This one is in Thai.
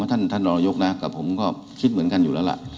ท่านรองยกนะกับผมก็คิดเหมือนกันอยู่แล้วล่ะ